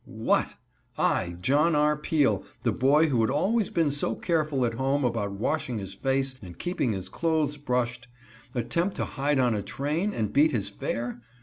What! I, John R. Peele, the boy who had always been so careful at home about washing his face and keeping his clothes brushed, attempt to hide on a train, and beat his fare?